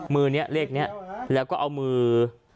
มือนี้เลขนี้แล้วก็เอามือ